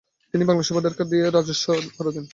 তিনি বাংলার সুবাদারকে দেয় রাজস্ব বন্ধ করে দেন।